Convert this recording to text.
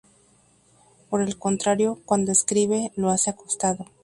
Por el contrario, cuando escribe, lo hace acostado.